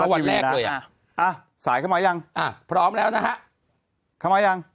วันแรกเลยอ่ะสายเข้ามายังอ่ะพร้อมแล้วนะฮะเข้ามายัง